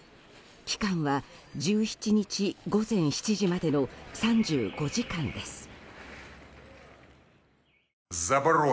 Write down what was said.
期間は１７日午前７時までの３５時間です。